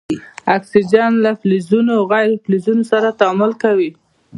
اکسیجن له فلزونو او غیر فلزونو سره تعامل کوي.